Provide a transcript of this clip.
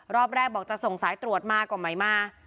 รอบแรกบอกจะส่งสายตรวจมาก็ไม่มา